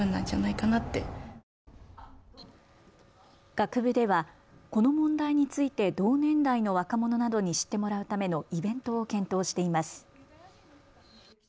学部ではこの問題について同年代の若者などに知ってもらうためのイベントを検討しています。